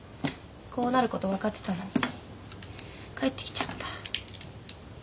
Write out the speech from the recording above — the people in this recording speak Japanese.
こうなること分かってたのに帰ってきちゃった。